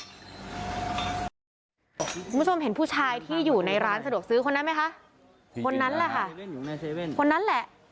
คุณผู้ชมเห็นผู้ชายที่อยู่ในร้านสะดวกซื้อคนนั้นไหมคะคนนั้นแหละค่ะคนนั้นแหละ